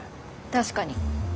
確かに。